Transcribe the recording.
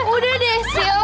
udah deh sisil